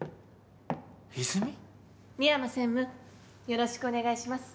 よろしくお願いします。